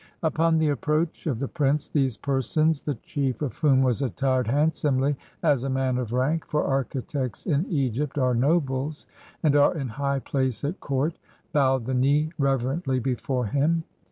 Upon the approach of the prince these persons, the 129 EGYPT chief of whom was attired handsomely, as a man of rank (for architects in Egypt are nobles, and are in high place at court), bowed the knee reverently before him.